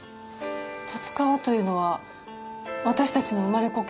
十津川というのは私たちの生まれ故郷